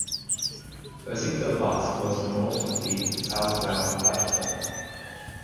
A signal box was north of the southbound platform.